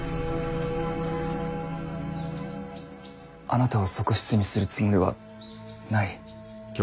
あなたを側室にするつもりはない。